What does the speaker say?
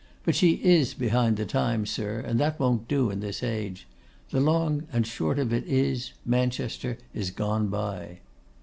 But she is behind the times, sir, and that won't do in this age. The long and short of it is, Manchester is gone by.